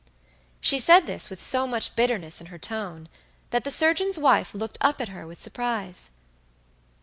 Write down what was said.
She said this with so much bitterness in her tone, that the surgeon's wife looked up at her with surprise.